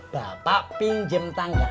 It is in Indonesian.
bapak pinjem tangga